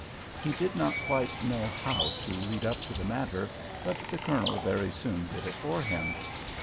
He did not quite know how to lead up to the matter, but the Colonel very soon did it for him.